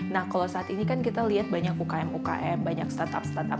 nah kalau saat ini kan kita lihat banyak ukm ukm banyak startup startup